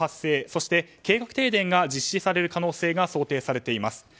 そして、計画停電が実施される可能性が想定されています。